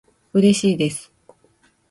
うれしいです